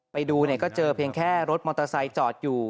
ไปดูเนี่ยก็เจอเพียงแค่รถมอเตอร์ไซค์จอดอยู่